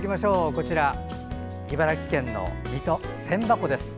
こちら、茨城県の水戸千波湖です。